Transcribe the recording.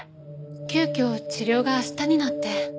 急きょ治療が明日になって。